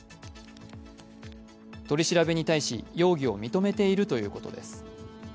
取り調べに対し容疑を認めているということです。